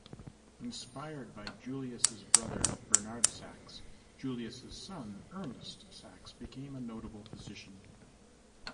Inspired by Julius' brother Bernard Sachs, Julius' son Ernest Sachs became a notable physician.